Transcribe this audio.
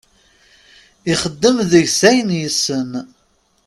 Ixdem deg-s ayen yessen.